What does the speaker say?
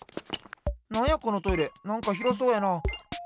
なんやこのトイレなんかひろそうやな。